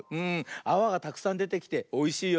あわがたくさんでてきておいしいよね。